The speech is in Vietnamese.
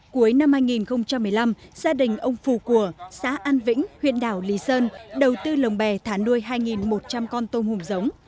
cuối năm hai nghìn một mươi năm gia đình ông phù của xã an vĩnh huyện đảo lý sơn đầu tư lồng bè thả nuôi hai một trăm linh con tôm hùm giống